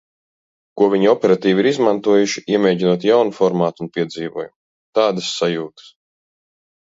Ko viņi operatīvi ir izmantojuši, iemēģinot jaunu formātu un piedzīvojumu. Tādas sajūtas.